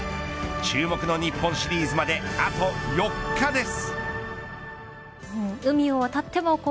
注目の日本シリーズまであと４日です。